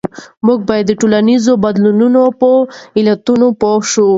موږ باید د ټولنیزو بدلونونو په علتونو پوه شو.